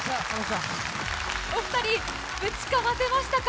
お二人、ぶちかませましたか？